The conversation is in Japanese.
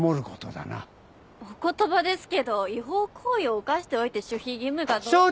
お言葉ですけど違法行為を犯しておいて守秘義務がどうとか。